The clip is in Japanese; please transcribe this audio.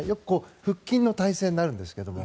腹筋の体勢になるんですけども。